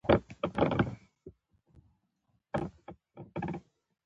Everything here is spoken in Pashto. اضافي ترکیب هغه دئ، چي یو اسم د بل اسم ملکیت وښیي.